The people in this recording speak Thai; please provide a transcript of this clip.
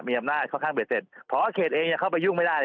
มีอำนาจค่อนข้างเบ็ดเสร็จพอเขตเองเข้าไปยุ่งไม่ได้